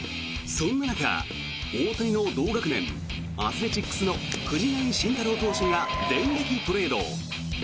そんな中、大谷の同学年アスレチックスの藤浪晋太郎投手が電撃トレード。